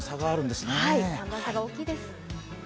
寒暖差が大きいです。